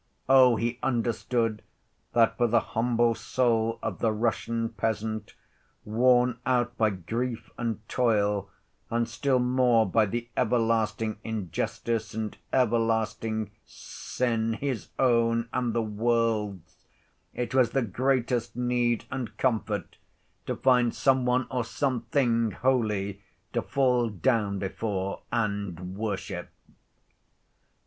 Oh! he understood that for the humble soul of the Russian peasant, worn out by grief and toil, and still more by the everlasting injustice and everlasting sin, his own and the world's, it was the greatest need and comfort to find some one or something holy to fall down before and worship.